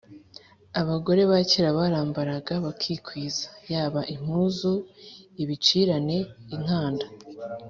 abagore bakera barambaraga bakikwiza, yaba impuzu, ibicirane, inkanda